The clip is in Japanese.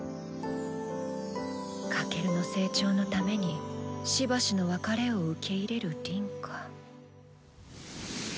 翔の成長のためにしばしの別れを受け入れる凛か。